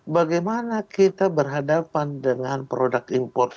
bagaimana kita berhadapan dengan produk impor